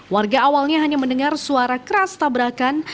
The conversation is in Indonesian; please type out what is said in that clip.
warga awalnya hanya mendengar suara keras tabrakan